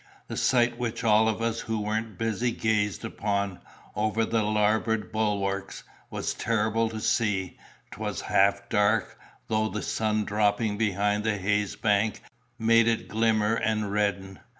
"The sight which all of us who weren't busy gazed upon, over the larboard bulwarks, was terrible to see; 'twas half dark, though the sun dropping behind the haze bank, made it glimmer and redden.